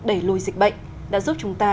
đẩy lùi dịch bệnh đã giúp chúng ta